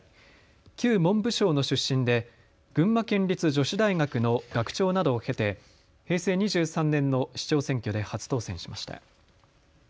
旧文部省の出身で群馬県立女子大学の学長などを経て平成２３年の市長選挙で初当選しました。